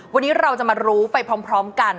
วันนี้เราจะมารู้ไปพร้อมกัน